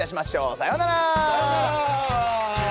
さようなら！